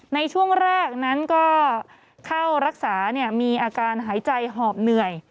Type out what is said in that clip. ในช่วงแรกนั้นก็เข้ารักษามีอาการหายใจหอบเหนื่อย